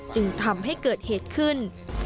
จึงทำให้เกิดเหตุขึ้น